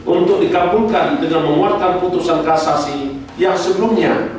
untuk dikabulkan dengan menguatkan putusan kasasi yang sebelumnya